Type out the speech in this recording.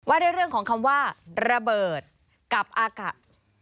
ด้วยเรื่องของคำว่าระเบิดกับอากาศ